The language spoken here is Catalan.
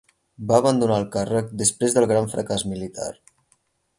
Va abandonar el càrrec després del gran fracàs militar.